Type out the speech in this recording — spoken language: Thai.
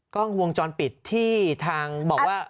กล้องวงจรปิดที่ทางบอกว่า